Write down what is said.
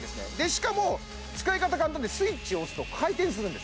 しかも使い方簡単でスイッチ押すと回転するんですね